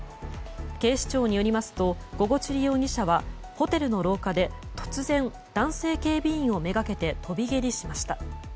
警視庁によりますとゴゴチュリ容疑者はホテルの廊下で突然、男性警備員をめがけて飛び蹴りしました。